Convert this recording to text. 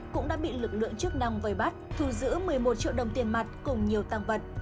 cũng đã bị lực lượng chức năng vây bắt thu giữ một mươi một triệu đồng tiền mặt cùng nhiều tăng vật